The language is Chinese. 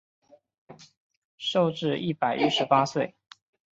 寿至一百一十八岁。